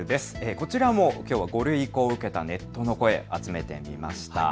こちらもきょうは５類を受けたネットの声を集めてみました。